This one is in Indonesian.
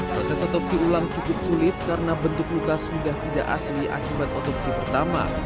proses otopsi ulang cukup sulit karena bentuk luka sudah tidak asli akibat otopsi pertama